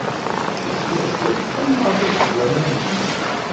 Yeswa cwiṭ kan maḍi seg waman-nni.